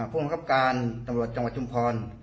ผู้มันครับการจังหวัดจุ้มพร